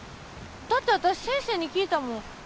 だって私先生に聞いたもん。